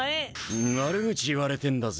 悪口言われてんだぜ。